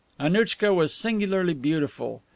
Annouchka was singularly beautiful.